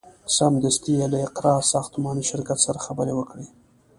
سمدستي یې له اقراء ساختماني شرکت سره خبرې وکړې.